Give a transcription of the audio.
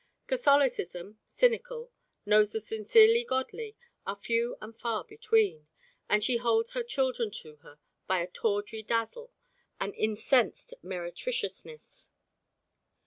Catholicism, cynical, knows the sincerely godly are few and far between, and she holds her children to her by a tawdry dazzle, an incensed meretriciousness.